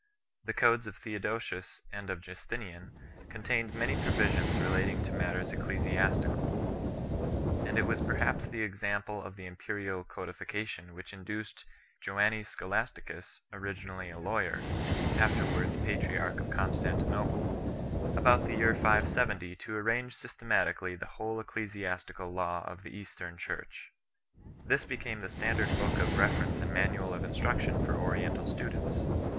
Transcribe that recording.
The codes of Theodosius and of Justinian contained many provisions relating to matters ecclesiastical, and it was perhaps the example of the imperial codification which induced Joannes Scho lasticus, originally a lawyer, afterwards patriarch of Con stantinople, about the year 570 to arrange systematically the whole ecclesiastical law of the Eastern Church 1 . This became the standard book of reference and manual of instruction for Oriental students.